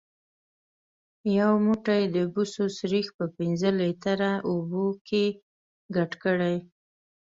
یو موټی د بوسو سريښ په پنځه لیتره اوبو کې ګډ کړئ.